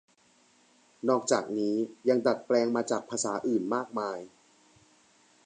นอกจากนี้ยังดัดแปลงมาจากภาษาอื่นมากมาย